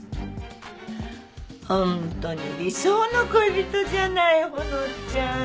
ホントに理想の恋人じゃないほのちゃん。